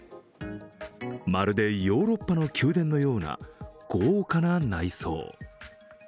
まるでヨーロッパの宮殿のような豪華な内装。